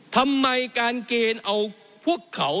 ทำไมการเกณฑ์เอาพวกเขา